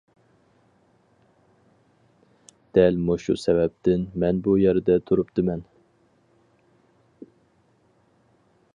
دەل مۇشۇ سەۋەبتىن مەن بۇ يەردە تۇرۇپتىمەن.